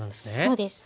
そうです。